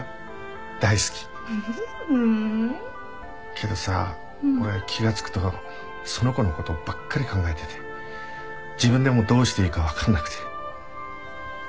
けどさ俺気がつくとその子の事ばっかり考えてて自分でもどうしていいかわかんなくて。